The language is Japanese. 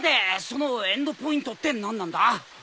そのエンドポイントって何なんだ？